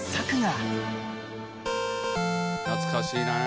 「懐かしいね」